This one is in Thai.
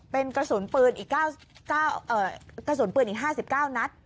เป็นกระสุนปืนอีก๕๙นัท